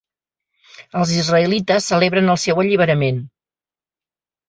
Els israelites celebren el seu alliberament.